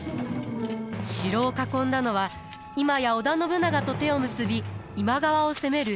城を囲んだのは今や織田信長と手を結び今川を攻める家康でした。